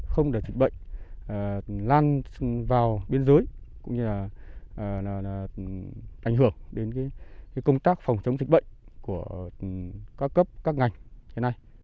không để dịch bệnh lan vào biên giới cũng như là ảnh hưởng đến công tác phòng chống dịch bệnh của các cấp các ngành hiện nay